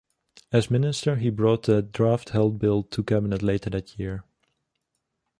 As Minister, he brought the draft Health Bill to cabinet later that year.